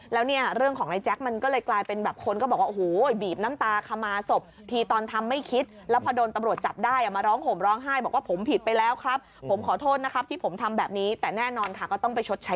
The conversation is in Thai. แล้วเรื่องของไนท์แจ็คมันก็เลยกลายเป็นแบบคนก็บอกว่าโห